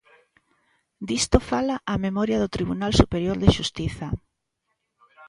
Disto fala a memoria do Tribunal Superior de Xustiza.